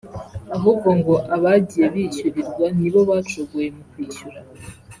ahubwo ngo abagiye bishyurirwa ni bo bacogoye mu kwishyura